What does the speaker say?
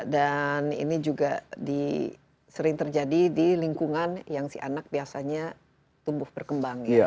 dan ini juga sering terjadi di lingkungan yang si anak biasanya tumbuh berkembang